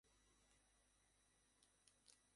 এ পূজায় বাধা দেবার আমি কে!